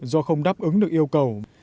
do không đáp ứng được với nguồn nhân lực